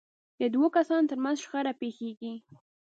د دوو کسانو ترمنځ شخړه پېښېږي.